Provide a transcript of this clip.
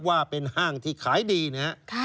ว่าเป็นห้างที่ขายดีนะครับ